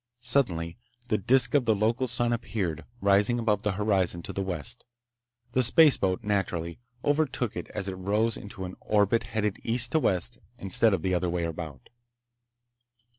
Suddenly the disk of the local sun appeared, rising above the horizon to the west. The spaceboat, naturally, overtook it as it rose into an orbit headed east to west instead of the other way about.